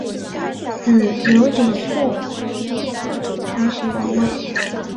子刘景素承袭王位。